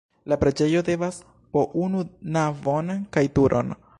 La preĝejo havas po unu navon kaj turon.